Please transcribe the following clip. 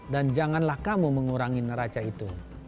dan janganlah kamu mengurangi neraca itu